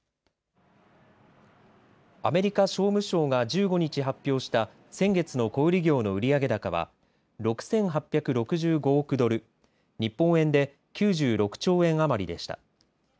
アメリカ商務省が１５日発表した先月の小売業の売上高は６８６５億ドル日本円で９６兆円余りでした。